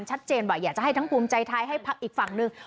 ชัดเจนว่าอยากจะให้ทั้งภูมิใจไทยให้พักอีกฝั่งหนึ่ง